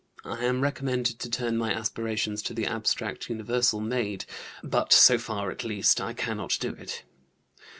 I am recommended to turn my aspirations to the abstract universal maid; but so far at least I cannot do it.